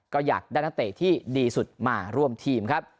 ก็อยากได้นักเตะที่ดีสุดมาร่วมทีมครับ